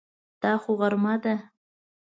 دا خو غرمه ده!